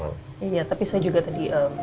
iya tapi saya juga tadi